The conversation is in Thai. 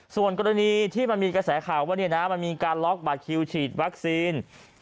ส่วนกรณีมันมีกระแสข่าวว่ามีการล๊อคบัดคิวชีดวัคซีน